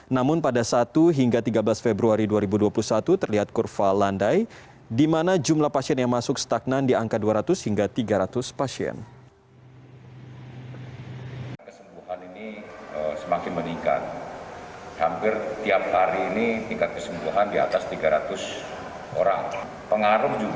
namun pada satu hingga tiga belas februari dua ribu dua puluh satu terlihat kurva landai di mana jumlah pasien yang masuk stagnan di angka dua ratus hingga tiga ratus